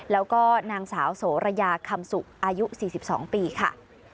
แล้วก็นางสาวโสระยาคำสุอายุ๔๒ปีค่ะ